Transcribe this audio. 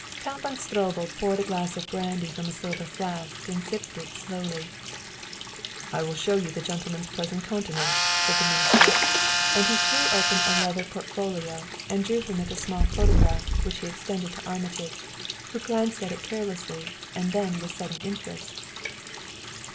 Count von Stroebel poured a glass of brandy from a silver flask and sipped it slowly. "I will show you the gentleman's pleasant countenance," said the minister, and he threw open a leather portfolio and drew from it a small photograph which he extended to Armitage, who glanced at it carelessly and then with sudden interest.